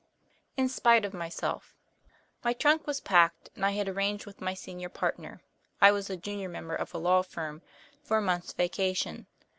In Spite of Myself My trunk was packed and I had arranged with my senior partner I was the junior member of a law firm for a month's vacation.